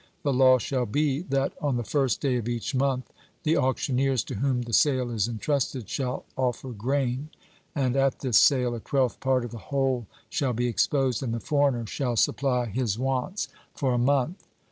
The law shall be, that on the first day of each month the auctioneers to whom the sale is entrusted shall offer grain; and at this sale a twelfth part of the whole shall be exposed, and the foreigner shall supply his wants for a month.